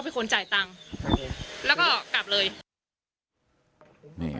ไปคงจ่ายตังค์